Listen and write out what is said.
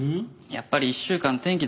やっぱり１週間天気